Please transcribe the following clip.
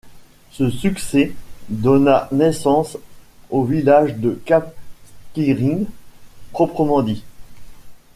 Ce succès donna naissance au village de Cap Skirring proprement dit.